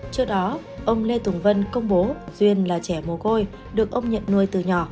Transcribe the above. trước đó ông lê tùng vân công bố duyên là trẻ mồ côi được ông nhận nuôi từ nhỏ